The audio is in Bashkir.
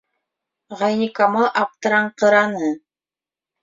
Ғәйникамал аптыраңҡыраны: